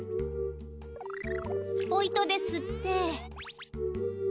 スポイトですって。